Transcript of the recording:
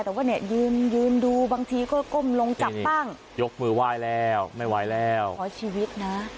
แต่ว่าเนี่ยยืนยืนดูบางทีก็ก้มลงจับบ้างยกมือไหว้แล้วไม่ไหวแล้วขอชีวิตนะ